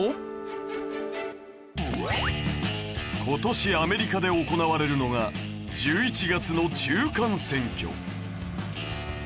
今年アメリカで行われるのが１１月の中間選挙。